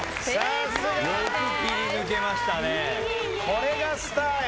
これがスターよ。